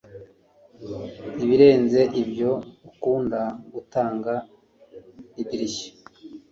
Ibirenze ibyo ukunda gutunga idirishya